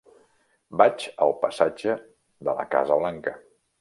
Vaig al passatge de la Casa Blanca.